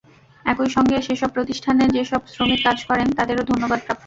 একই সঙ্গে সেসব প্রতিষ্ঠানে যেসব শ্রমিক কাজ করেন, তাঁদেরও ধন্যবাদ প্রাপ্য।